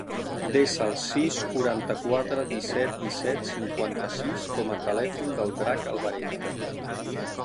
Desa el sis, quaranta-quatre, disset, disset, cinquanta-sis com a telèfon del Drac Albareda.